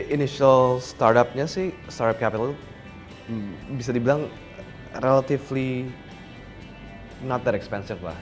initial startupnya sih startup capital itu bisa dibilang relatively not that expensive lah